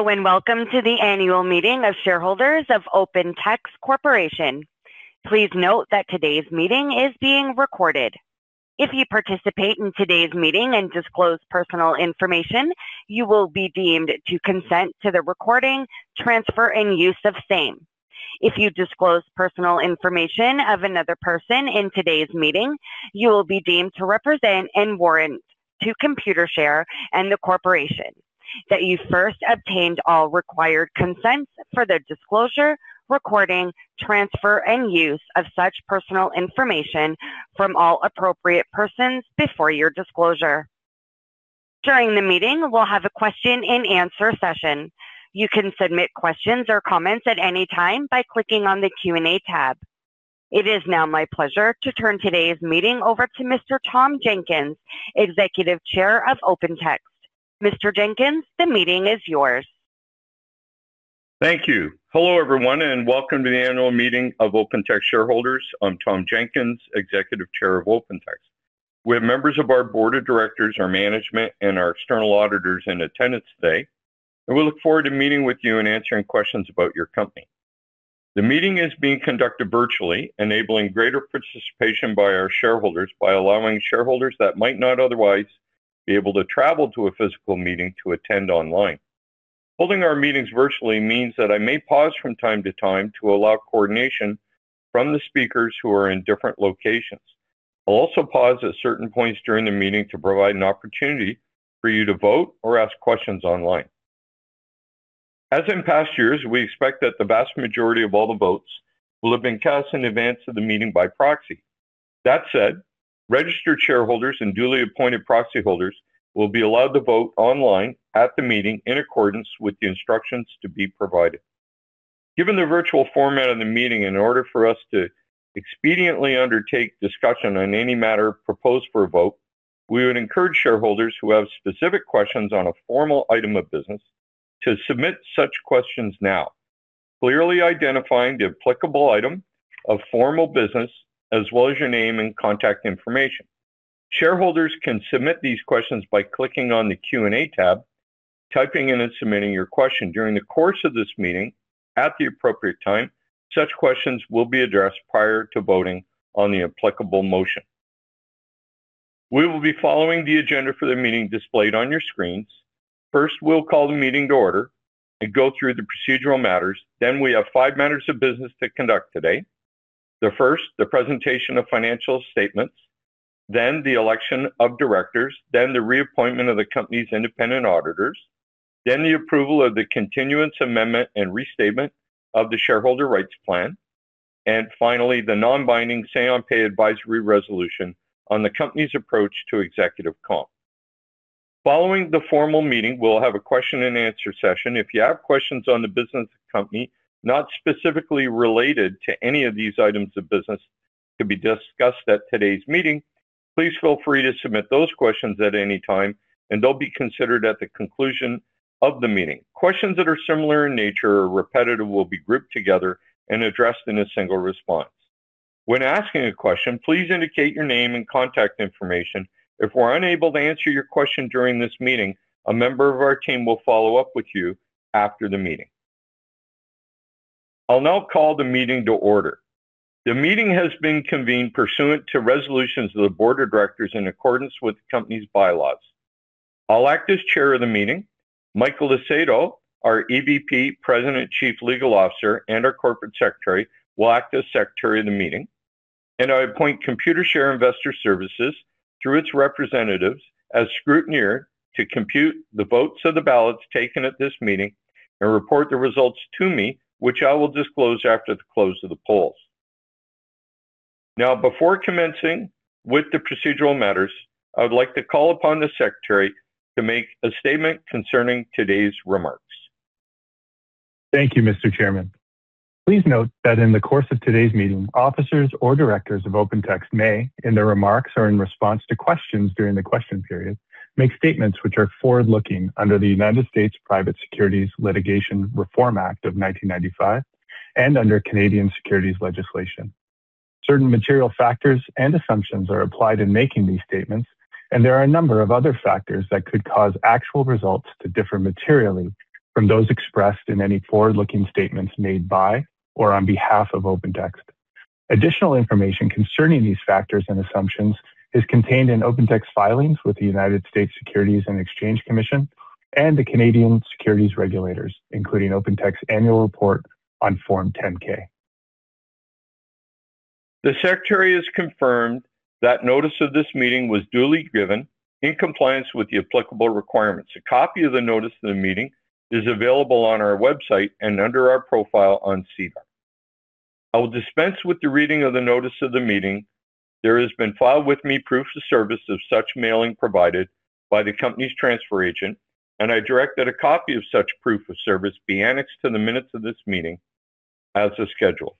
Hello, and welcome to the annual meeting of shareholders of OpenText Corporation. Please note that today's meeting is being recorded. If you participate in today's meeting and disclose personal information, you will be deemed to consent to the recording, transfer, and use of same. If you disclose personal information of another person in today's meeting, you will be deemed to represent and warrant to Computershare and the corporation that you first obtained all required consents for the disclosure, recording, transfer, and use of such personal information from all appropriate persons before your disclosure. During the meeting, we'll have a question-and-answer session. You can submit questions or comments at any time by clicking on the Q&A tab. It is now my pleasure to turn today's meeting over to Mr. Tom Jenkins, Executive Chair of OpenText. Mr. Jenkins, the meeting is yours. Thank you. Hello, everyone, and welcome to the annual meeting of OpenText shareholders. I'm Tom Jenkins, Executive Chair of OpenText. We have members of our board of directors, our management, and our external auditors in attendance today, and we look forward to meeting with you and answering questions about your company. The meeting is being conducted virtually, enabling greater participation by our shareholders by allowing shareholders that might not otherwise be able to travel to a physical meeting to attend online. Holding our meetings virtually means that I may pause from time to time to allow coordination from the speakers who are in different locations. I'll also pause at certain points during the meeting to provide an opportunity for you to vote or ask questions online. As in past years, we expect that the vast majority of all the votes will have been cast in advance of the meeting by proxy. That said, registered shareholders and duly appointed proxy holders will be allowed to vote online at the meeting in accordance with the instructions to be provided. Given the virtual format of the meeting, in order for us to expediently undertake discussion on any matter proposed for a vote, we would encourage shareholders who have specific questions on a formal item of business to submit such questions now, clearly identifying the applicable item of formal business as well as your name and contact information. Shareholders can submit these questions by clicking on the Q&A tab, typing in and submitting your question. During the course of this meeting, at the appropriate time, such questions will be addressed prior to voting on the applicable motion. We will be following the agenda for the meeting displayed on your screens. First, we'll call the meeting to order and go through the procedural matters. Then we have five matters of business to conduct today. The first, the presentation of financial statements, then the election of directors, then the reappointment of the company's independent auditors, then the approval of the continuance amendment and restatement of the shareholder rights plan, and finally, the non-binding say-on-pay advisory resolution on the company's approach to executive comp. Following the formal meeting, we'll have a question-and-answer session. If you have questions on the business of the company not specifically related to any of these items of business to be discussed at today's meeting, please feel free to submit those questions at any time, and they'll be considered at the conclusion of the meeting. Questions that are similar in nature or repetitive will be grouped together and addressed in a single response. When asking a question, please indicate your name and contact information. If we're unable to answer your question during this meeting, a member of our team will follow up with you after the meeting. I'll now call the meeting to order. The meeting has been convened pursuant to resolutions of the board of directors in accordance with the company's bylaws. I'll act as chair of the meeting. Michael Acedo, our EVP, President, Chief Legal Officer, and Corporate Secretary will act as secretary of the meeting. I appoint Computershare Investor Services through its representatives as scrutineer to compute the votes of the ballots taken at this meeting and report the results to me, which I will disclose after the close of the polls. Now, before commencing with the procedural matters, I would like to call upon the secretary to make a statement concerning today's remarks. Thank you, Mr. Chairman. Please note that in the course of today's meeting, officers or directors of OpenText may, in their remarks or in response to questions during the question period, make statements which are forward-looking under the United States Private Securities Litigation Reform Act of 1995 and under Canadian securities legislation. Certain material factors and assumptions are applied in making these statements, and there are a number of other factors that could cause actual results to differ materially from those expressed in any forward-looking statements made by or on behalf of OpenText. Additional information concerning these factors and assumptions is contained in OpenText filings with the United States Securities and Exchange Commission and the Canadian securities regulators, including OpenText's annual report on Form 10-K. The secretary has confirmed that notice of this meeting was duly given in compliance with the applicable requirements. A copy of the notice of the meeting is available on our website and under our profile on SEDAR. I will dispense with the reading of the notice of the meeting. There has been filed with me proof of service of such mailing provided by the company's transfer agent, and I direct that a copy of such proof of service be annexed to the minutes of this meeting as a schedule.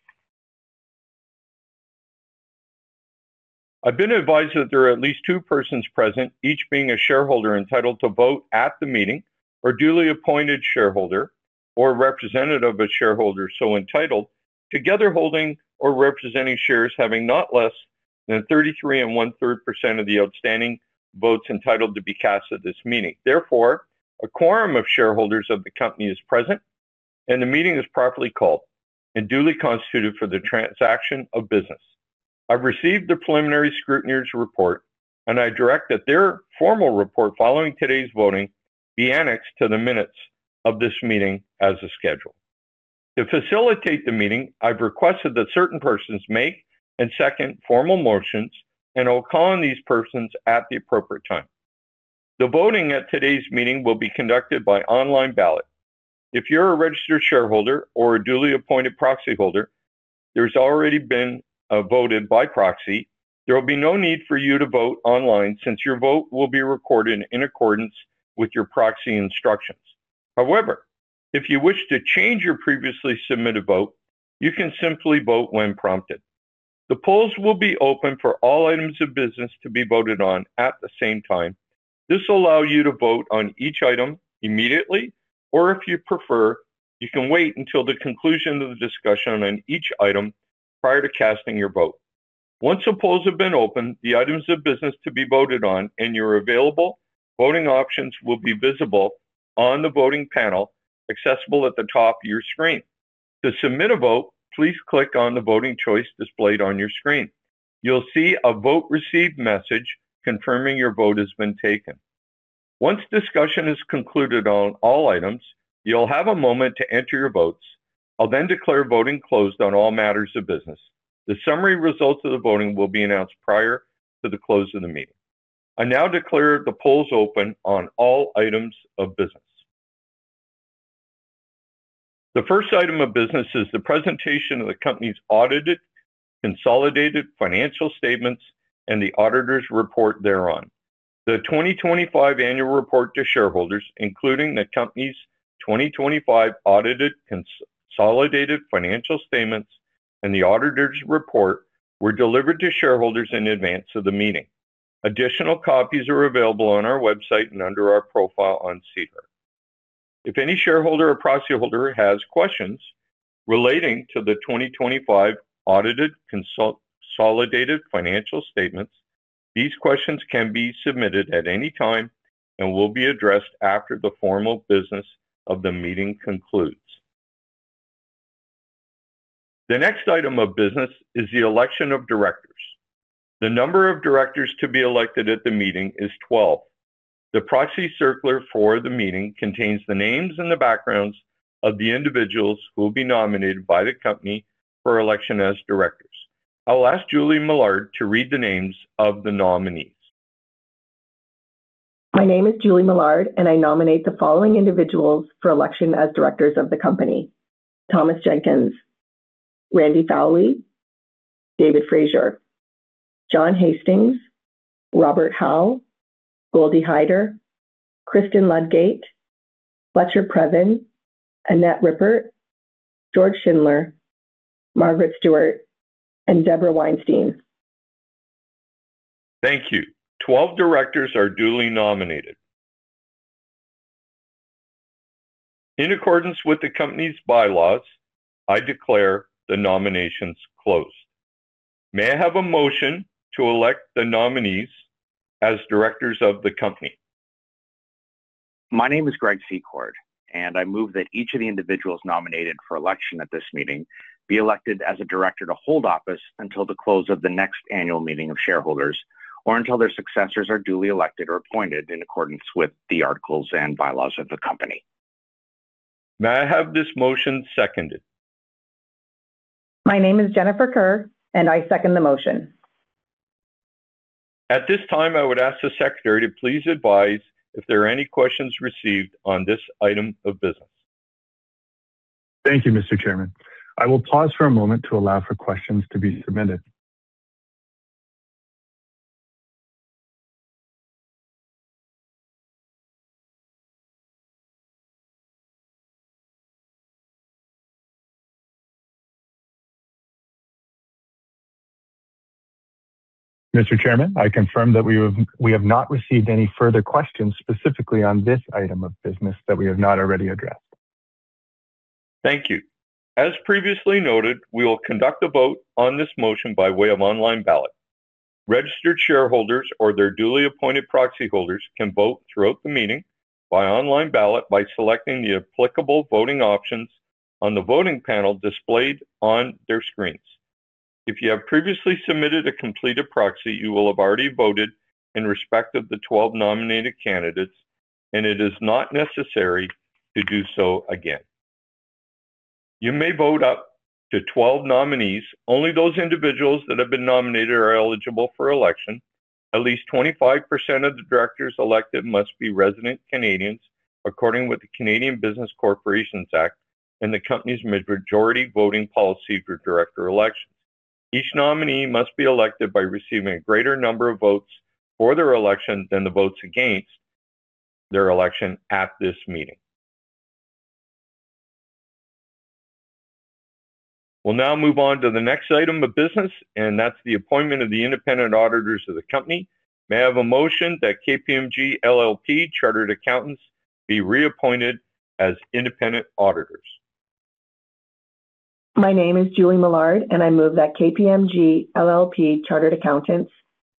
I've been advised that there are at least two persons present, each being a shareholder entitled to vote at the meeting or duly appointed shareholder or representative of a shareholder so entitled, together holding or representing shares having not less than 33 and one-third percent of the outstanding votes entitled to be cast at this meeting. Therefore, a quorum of shareholders of the company is present, and the meeting is properly called and duly constituted for the transaction of business. I've received the preliminary scrutineer's report, and I direct that their formal report following today's voting be annexed to the minutes of this meeting as a schedule. To facilitate the meeting, I've requested that certain persons make and second formal motions, and I'll call on these persons at the appropriate time. The voting at today's meeting will be conducted by online ballot. If you're a registered shareholder or a duly appointed proxy holder, there's already been voted by proxy. There will be no need for you to vote online since your vote will be recorded in accordance with your proxy instructions. However, if you wish to change your previously submitted vote, you can simply vote when prompted. The polls will be open for all items of business to be voted on at the same time. This will allow you to vote on each item immediately, or if you prefer, you can wait until the conclusion of the discussion on each item prior to casting your vote. Once the polls have been open, the items of business to be voted on and your available voting options will be visible on the voting panel accessible at the top of your screen. To submit a vote, please click on the voting choice displayed on your screen. You'll see a vote received message confirming your vote has been taken. Once discussion is concluded on all items, you'll have a moment to enter your votes. I'll then declare voting closed on all matters of business. The summary results of the voting will be announced prior to the close of the meeting. I now declare the polls open on all items of business. The first item of business is the presentation of the company's audited, consolidated financial statements and the auditor's report thereon. The 2025 annual report to shareholders, including the company's 2025 audited, consolidated financial statements and the auditor's report, were delivered to shareholders in advance of the meeting. Additional copies are available on our website and under our profile on SEDAR. If any shareholder or proxy holder has questions relating to the 2025 audited, consolidated financial statements, these questions can be submitted at any time and will be addressed after the formal business of the meeting concludes. The next item of business is the election of directors. The number of directors to be elected at the meeting is 12. The proxy circular for the meeting contains the names and the backgrounds of the individuals who will be nominated by the company for election as directors. I'll ask Julie Millard to read the names of the nominees. My name is Julie Millard, and I nominate the following individuals for election as directors of the company: Thomas Jenkins, Randy Fowlie, David Fraser, John Hastings, Robert Howell, Goldie Hyder, Kristen Ludgate, Fletcher Previn, Annette Rippert, George Schindler, Margaret Stewart, and Deborah Weinstein. Thank you. 12 directors are duly nominated. In accordance with the company's bylaws, I declare the nominations closed. May I have a motion to elect the nominees as directors of the company? My name is Greg Secord, and I move that each of the individuals nominated for election at this meeting be elected as a director to hold office until the close of the next annual meeting of shareholders or until their successors are duly elected or appointed in accordance with the articles and bylaws of the company. May I have this motion seconded? My name is Jennifer Kerr, and I second the motion. At this time, I would ask the secretary to please advise if there are any questions received on this item of business. Thank you, Mr. Chairman. I will pause for a moment to allow for questions to be submitted. Mr. Chairman, I confirm that we have not received any further questions specifically on this item of business that we have not already addressed. Thank you. As previously noted, we will conduct a vote on this motion by way of online ballot. Registered shareholders or their duly appointed proxy holders can vote throughout the meeting by online ballot by selecting the applicable voting options on the voting panel displayed on their screens. If you have previously submitted a completed proxy, you will have already voted in respect of the 12 nominated candidates, and it is not necessary to do so again. You may vote up to 12 nominees. Only those individuals that have been nominated are eligible for election. At least 25% of the directors elected must be resident Canadians according with the Canadian Business Corporations Act and the company's majority voting policy for director elections. Each nominee must be elected by receiving a greater number of votes for their election than the votes against their election at this meeting. We'll now move on to the next item of business, and that's the appointment of the independent auditors of the company. May I have a motion that KPMG LLP Chartered Accountants be reappointed as independent auditors? My name is Julie Millard, and I move that KPMG LLP Chartered Accountants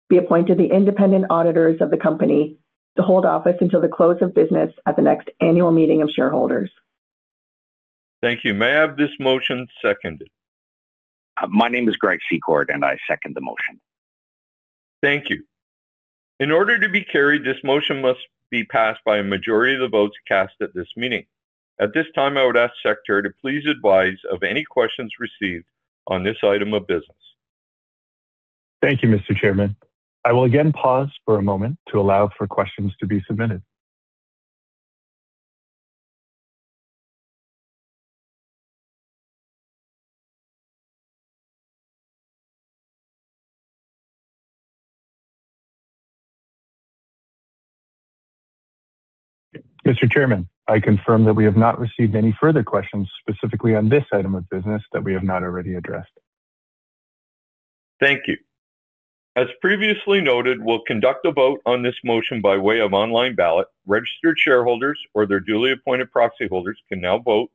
be appointed the independent auditors of the company to hold office until the close of business at the next annual meeting of shareholders. Thank you. May I have this motion seconded? My name is Greg Secord, and I second the motion. Thank you. In order to be carried, this motion must be passed by a majority of the votes cast at this meeting. At this time, I would ask the secretary to please advise of any questions received on this item of business. Thank you, Mr. Chairman. I will again pause for a moment to allow for questions to be submitted. Mr. Chairman, I confirm that we have not received any further questions specifically on this item of business that we have not already addressed. Thank you. As previously noted, we'll conduct a vote on this motion by way of online ballot. Registered shareholders or their duly appointed proxy holders can now vote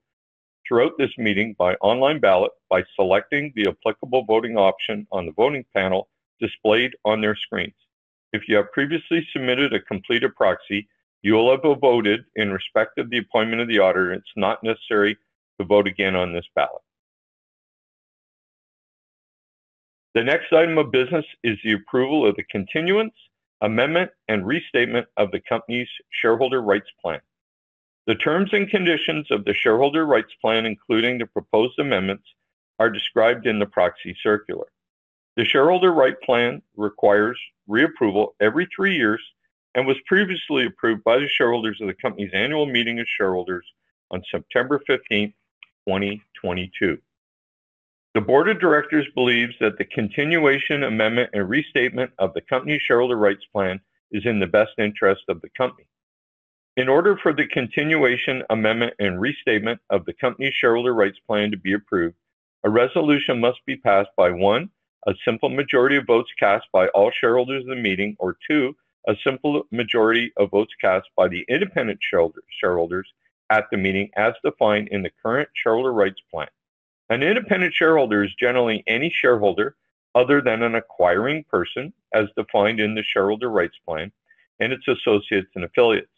throughout this meeting by online ballot by selecting the applicable voting option on the voting panel displayed on their screens. If you have previously submitted a completed proxy, you will have voted in respect of the appointment of the auditor. It's not necessary to vote again on this ballot. The next item of business is the approval of the continuance, amendment, and restatement of the company's shareholder rights plan. The terms and conditions of the shareholder rights plan, including the proposed amendments, are described in the proxy circular. The shareholder rights plan requires reapproval every three years and was previously approved by the shareholders of the company's annual meeting of shareholders on September 15th, 2022. The board of directors believes that the continuation, amendment, and restatement of the company's Shareholder Rights Plan is in the best interest of the company. In order for the continuation, amendment, and restatement of the company's Shareholder Rights Plan to be approved, a resolution must be passed by, one, a simple majority of votes cast by all shareholders at the meeting, or two, a simple majority of votes cast by the independent shareholders at the meeting as defined in the current Shareholder Rights Plan. An independent shareholder is generally any shareholder other than an acquiring person as defined in the Shareholder Rights Plan and its associates and affiliates.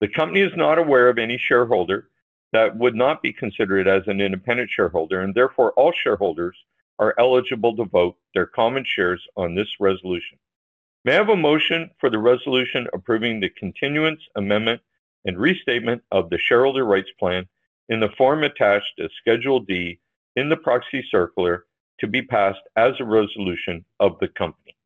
The company is not aware of any shareholder that would not be considered as an independent shareholder, and therefore all shareholders are eligible to vote their common shares on this resolution. May I have a motion for the resolution approving the continuance, amendment, and restatement of the Shareholder Rights Plan in the form attached to Schedule D in the Proxy Circular to be passed as a resolution of the company?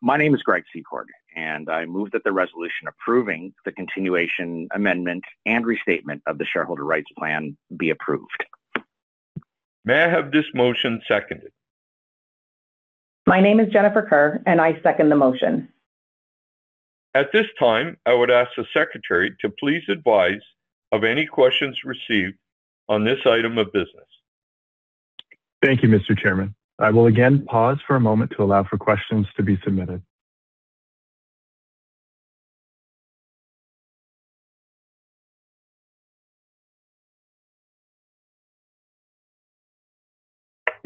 My name is Greg Secord, and I move that the resolution approving the continuation, amendment, and restatement of the shareholder rights plan be approved. May I have this motion seconded? My name is Jennifer Kerr, and I second the motion. At this time, I would ask the secretary to please advise of any questions received on this item of business. Thank you, Mr. Chairman. I will again pause for a moment to allow for questions to be submitted.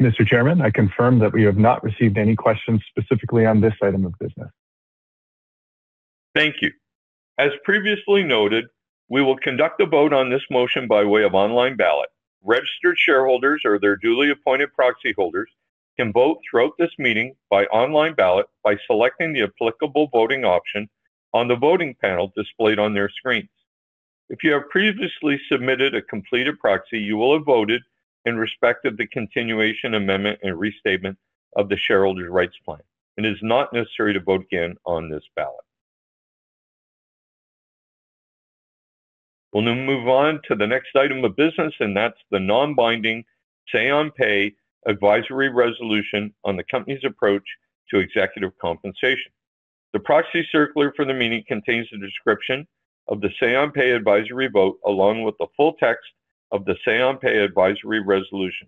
Mr. Chairman, I confirm that we have not received any questions specifically on this item of business. Thank you. As previously noted, we will conduct a vote on this motion by way of online ballot. Registered shareholders or their duly appointed proxy holders can vote throughout this meeting by online ballot by selecting the applicable voting option on the voting panel displayed on their screens. If you have previously submitted a completed proxy, you will have voted in respect of the continuation, amendment, and restatement of the shareholder rights plan. It is not necessary to vote again on this ballot. We'll now move on to the next item of business, and that's the non-binding say-on-pay advisory resolution on the company's approach to executive compensation. The proxy circular for the meeting contains the description of the say-on-pay advisory vote along with the full text of the say-on-pay advisory resolution.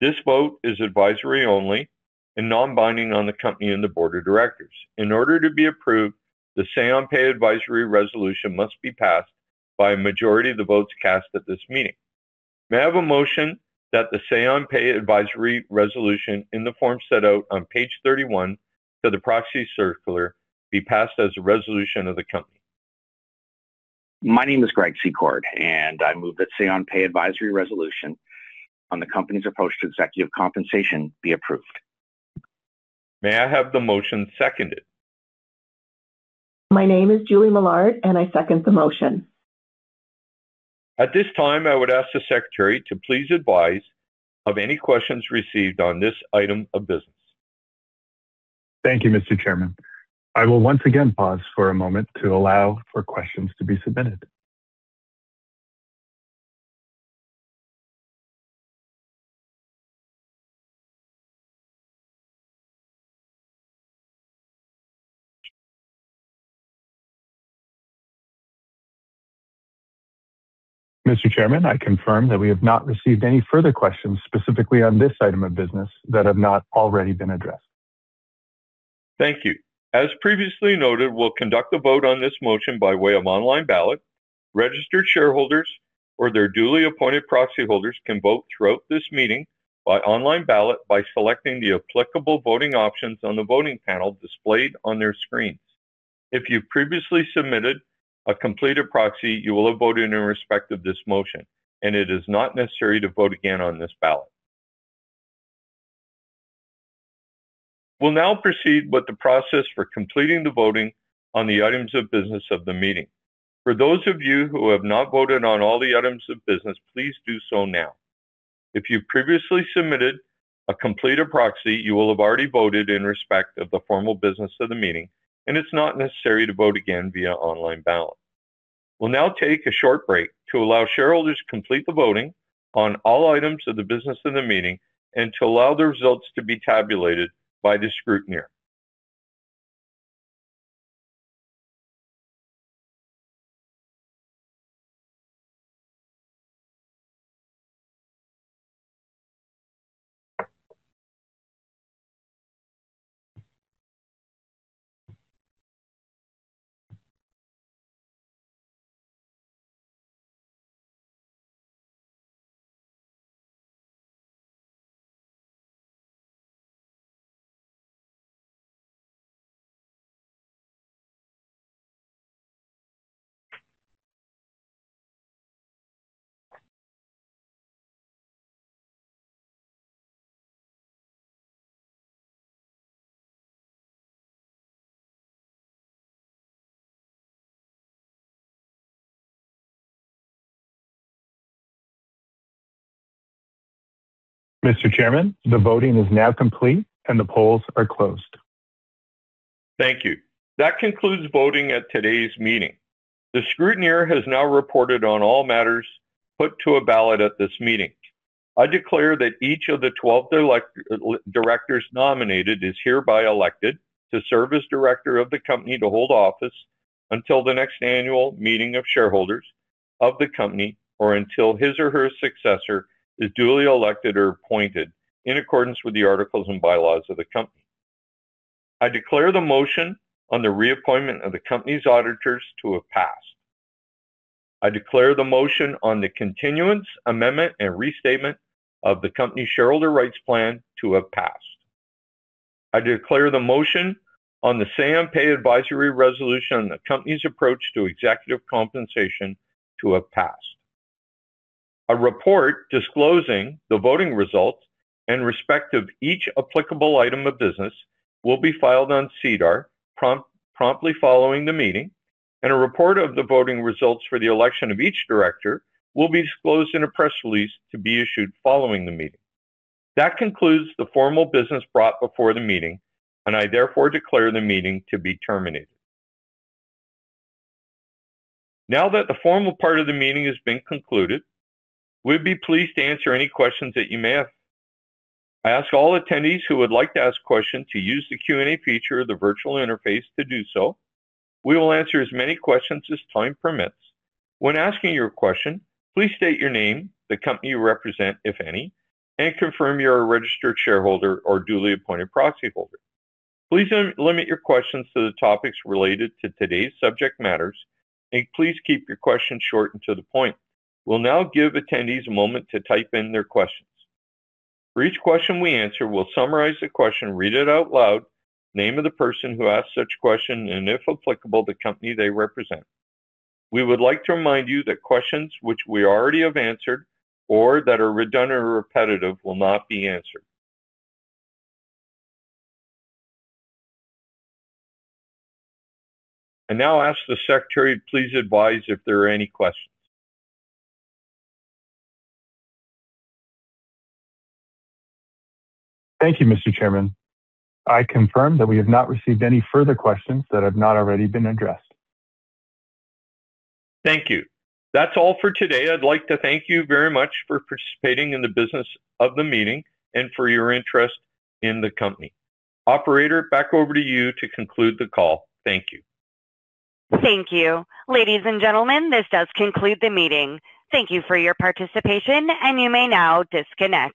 This vote is advisory only and non-binding on the company and the board of directors. In order to be approved, the Say-on-pay advisory resolution must be passed by a majority of the votes cast at this meeting. May I have a motion that the Say-on-pay advisory resolution in the form set out on page 31 to the Proxy Circular be passed as a resolution of the company? My name is Greg Secord, and I move that say-on-pay advisory resolution on the company's approach to executive compensation be approved. May I have the motion seconded? My name is Julie Millard, and I second the motion. At this time, I would ask the secretary to please advise of any questions received on this item of business. Thank you, Mr. Chairman. I will once again pause for a moment to allow for questions to be submitted. Mr. Chairman, I confirm that we have not received any further questions specifically on this item of business that have not already been addressed. Thank you. As previously noted, we'll conduct a vote on this motion by way of online ballot. Registered shareholders or their duly appointed proxy holders can vote throughout this meeting by online ballot by selecting the applicable voting options on the voting panel displayed on their screens. If you've previously submitted a completed proxy, you will have voted in respect of this motion, and it is not necessary to vote again on this ballot. We'll now proceed with the process for completing the voting on the items of business of the meeting. For those of you who have not voted on all the items of business, please do so now. If you've previously submitted a completed proxy, you will have already voted in respect of the formal business of the meeting, and it's not necessary to vote again via online ballot. We'll now take a short break to allow shareholders to complete the voting on all items of the business of the meeting and to allow the results to be tabulated by the scrutineer. Mr. Chairman, the voting is now complete and the polls are closed. Thank you. That concludes voting at today's meeting. The scrutineer has now reported on all matters put to a ballot at this meeting. I declare that each of the 12 directors nominated is hereby elected to serve as director of the company to hold office until the next annual meeting of shareholders of the company or until his or her successor is duly elected or appointed in accordance with the articles and bylaws of the company. I declare the motion on the reappointment of the company's auditors to have passed. I declare the motion on the continuance, amendment, and restatement of the company's shareholder rights plan to have passed. I declare the motion on the say-on-pay advisory resolution on the company's approach to executive compensation to have passed. A report disclosing the voting results in respect of each applicable item of business will be filed on SEDAR promptly following the meeting, and a report of the voting results for the election of each director will be disclosed in a press release to be issued following the meeting. That concludes the formal business brought before the meeting, and I therefore declare the meeting to be terminated. Now that the formal part of the meeting has been concluded, we'd be pleased to answer any questions that you may have. I ask all attendees who would like to ask a question to use the Q&A feature of the virtual interface to do so. We will answer as many questions as time permits. When asking your question, please state your name, the company you represent, if any, and confirm you're a registered shareholder or duly appointed proxy holder. Please limit your questions to the topics related to today's subject matters, and please keep your questions short and to the point. We'll now give attendees a moment to type in their questions. For each question we answer, we'll summarize the question, read it out loud, name of the person who asked such question, and if applicable, the company they represent. We would like to remind you that questions which we already have answered or that are redundant or repetitive will not be answered. And now I'll ask the secretary to please advise if there are any questions. Thank you, Mr. Chairman. I confirm that we have not received any further questions that have not already been addressed. Thank you. That's all for today. I'd like to thank you very much for participating in the business of the meeting and for your interest in the company. Operator, back over to you to conclude the call. Thank you. Thank you. Ladies and gentlemen, this does conclude the meeting. Thank you for your participation, and you may now disconnect.